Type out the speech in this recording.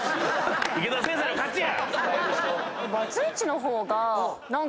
池田先生の勝ちや！